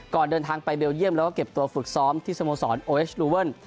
เดินทางไปเบลเยี่ยมแล้วก็เก็บตัวฝึกซ้อมที่สโมสรโอเอชลูเวิล